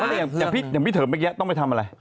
อย่างพี่เถิมเมื่อกี้ต้องไปทำอะไร